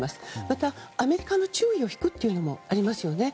また、アメリカの注意を引くということもありますよね。